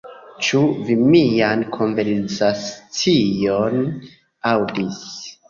Ĉu vi mian konversacion aŭdis?